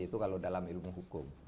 itu kalau dalam ilmu hukum